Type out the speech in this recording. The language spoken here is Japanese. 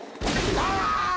ああ！